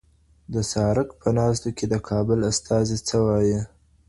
د سارک په ناستو کي د کابل استازي څه وایي؟